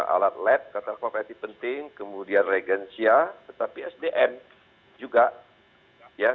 alat led kata prof ati penting kemudian regensia tetapi sdn juga